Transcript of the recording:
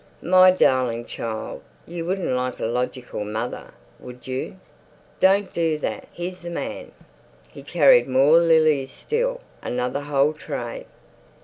"My darling child, you wouldn't like a logical mother, would you? Don't do that. Here's the man." He carried more lilies still, another whole tray.